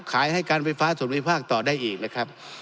ให้การไฟฟ้าส่วนภูมิภาคต่อได้อีกนะครับ